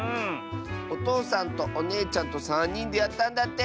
おとうさんとおねえちゃんとさんにんでやったんだって！